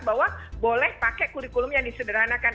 bahwa boleh pakai kurikulum yang disederhanakan